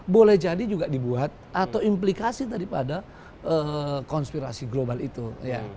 boleh jadi juga dibuat atau implikasi daripada konspirasi global itu